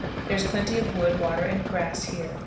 There is plenty of wood, water, and grass here.